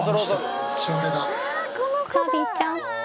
タビちゃん。